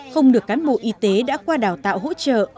không được cán bộ y tế đã qua đào tạo hỗ trợ